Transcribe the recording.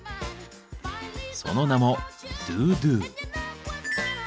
その名も「ドゥドゥ」。